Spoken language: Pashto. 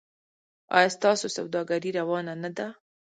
ایا ستاسو سوداګري روانه نه ده؟